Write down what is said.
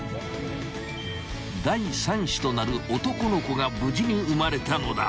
［第３子となる男の子が無事に生まれたのだ］